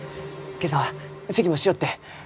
今朝はせきもしよって！